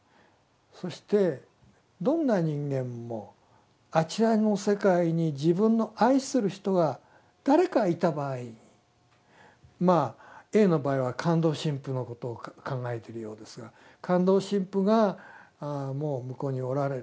そしてどんな人間もあちらの世界に自分の愛する人が誰かいた場合まあＡの場合はカンドウ神父のことを考えてるようですがカンドウ神父がもう向こうにおられると。